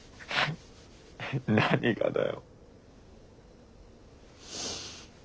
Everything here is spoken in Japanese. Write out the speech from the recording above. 何がだよ？